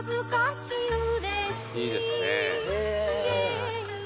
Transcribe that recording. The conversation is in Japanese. いいですね。